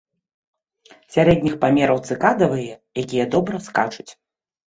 Сярэдніх памераў цыкадавыя, якія добра скачуць.